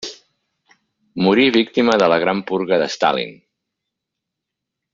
Morí víctima de la Gran Purga de Stalin.